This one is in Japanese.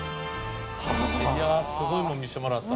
いやすごいもん見してもらった。